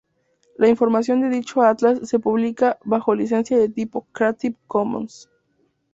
La información de dicho atlas se publica bajo licencia de tipo "Creative Commons".